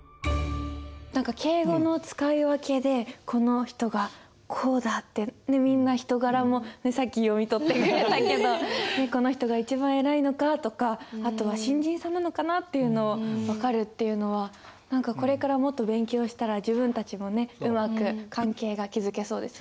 何か敬語の使い分けでこの人がこうだってみんな人柄もさっき読み取ってくれたけど「この人が一番偉いのか」とかあとは「新人さんなのかな」っていうのを分かるっていうのは何かこれからもっと勉強したら自分たちもねうまく関係が築けそうですよね。